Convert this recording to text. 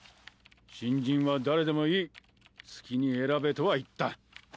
新人は誰でもいい好きに選べとは言った。